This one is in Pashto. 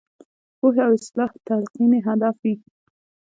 د پوهې او اصلاح تلقین یې هدف وي.